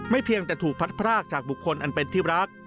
เพียงแต่ถูกพัดพรากจากบุคคลอันเป็นที่รัก